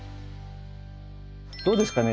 どうですかね？